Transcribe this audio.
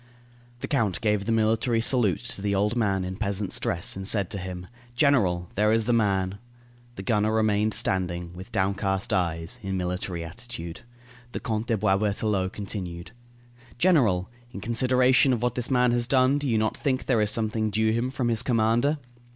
The count gave the military salute to the old man in peasant's dress, and said to him: "General, there is the man." The gunner remained standing, with downcast eyes, in military attitude. The Count de Boisberthelot continued: "General, in consideration of what this man has done, do you not think there is something due him from his commander?"